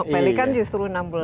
pelikan justru enam bulan